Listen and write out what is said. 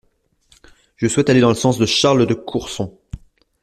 Je souhaite aller dans le sens de Charles de Courson.